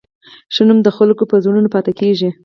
ښه نوم د خلکو په زړونو پاتې کېږي.